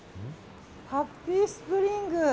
ハッピースプリング。